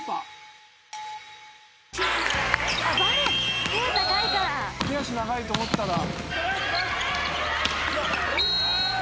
手足長いと思ったら。